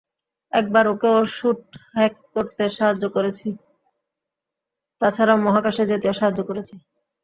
একবার ওকে ওর স্যুট হ্যাক করতে সাহায্য করেছি, তাছাড়া মহাকাশে যেতেও সাহায্য করেছি।